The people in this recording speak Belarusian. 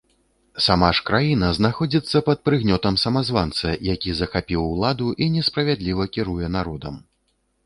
Сама ж краіна знаходзіцца пад прыгнётам самазванца, які захапіў уладу і несправядліва кіруе народам.